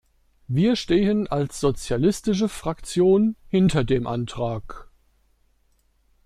Wir stehen als Sozialistische Fraktion hinter dem Antrag.